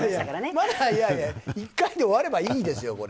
１回で終わればいいですよ